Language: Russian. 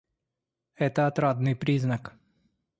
Это отрадный признак.